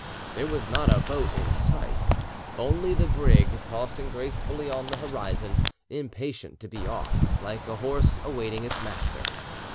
There was not a boat in sight, only the brig tossing gracefully on the horizon, impatient to be off, like a horse awaiting its master.